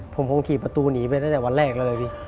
ผมคงขี่ประตูหนีไปตั้งแต่วันแรกแล้วเลยพี่